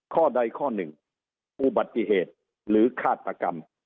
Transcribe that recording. ข้อใดข้อหนึ่งอุบัติเหตุหรือฆาตกรรม